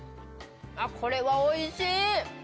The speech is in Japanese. これはおいしい！